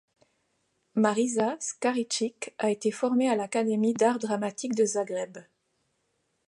Marija Škaričić a été formée à l'Académie d'art dramatique de Zagreb.